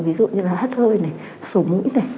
ví dụ như là hát hơi này sổ mũi này